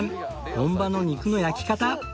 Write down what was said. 本場の肉の焼き方